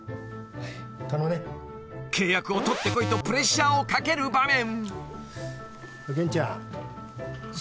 ［契約を取ってこいとプレッシャーをかける場面］